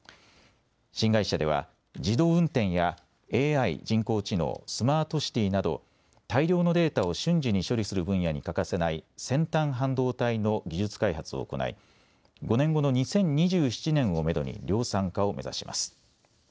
新会社では自動運転やＡＩ・人工知能、スマートシティーなど大量のデータを瞬時に処理する分野に欠かせない先端半導体の技術開発を行い、５年後の２０２７年をめどに量産化を目指します。